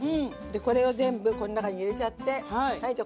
これを全部この中に入れちゃってはいじゃ